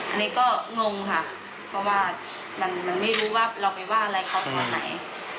อันนี้ก็งงค่ะเพราะว่ามันไม่รู้ว่าเราไปว่าอะไรเขาตอนไหน